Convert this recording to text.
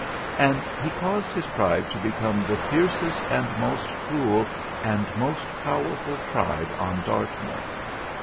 And he caused his tribe to become the fiercest and most cruel, and most powerful tribe on Dart moor.